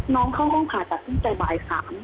น้องเข้าห้องขาดจัดตั้งแต่บ่าย๓